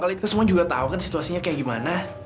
kalo kita semua juga tau kan situasinya kayak gimana